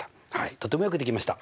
とてもよくできました！